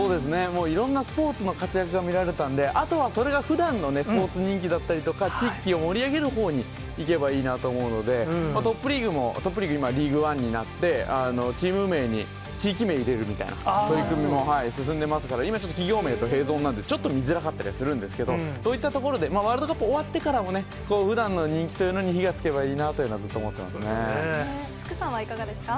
いろんなスポーツの活躍が見られたんで、あとはそれがふだんのスポーツ人気だったりとか、地域を盛り上げるほうにいけばいいと思うので、トップリーグも、トップリーグ、今、リーグワンになって、チーム名に地域名入れるみたいな取り組みも進んでますから、今ちょっと企業名とへいぞんなんで、ちょっと見づらかったりはするんですけど、そういったところで、ワールドカップ終わってからも、ふだんの人気というのに火がつけばいいなというのはずっと思福さんはいかがですか。